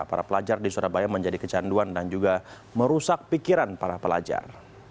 para pelajar di surabaya menjadi kecanduan dan juga merusak pikiran para pelajar